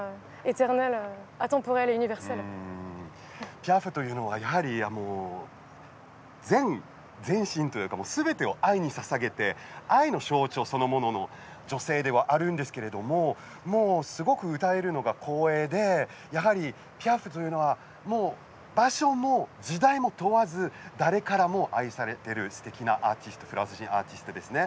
ピアフというのは全身というかすべてを愛にささげて愛の象徴そのものの女性ではあるんですけれどもすごく歌えるのが光栄でやはり、ピアフというのはもう場所も時代も問わず誰からも愛されているすてきなフランス人アーティストですね。